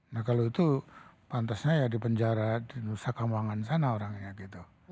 nah kalau itu pantasnya ya di penjara di nusa kambangan sana orangnya gitu